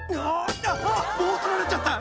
棒取られちゃった！